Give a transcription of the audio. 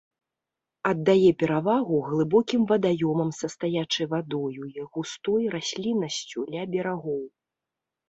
Аддае перавагу глыбокім вадаёмам са стаячай вадою і густой расліннасцю ля берагоў.